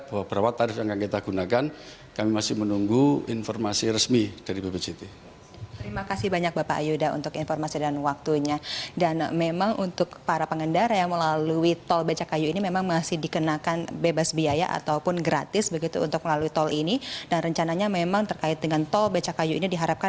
bahwa berapa tarif yang akan kita gunakan kami masih menunggu informasi resmi dari bpjt terima kasih banyak bapak ayuda untuk beri informasi